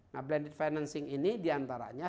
nah blended financing ini diantaranya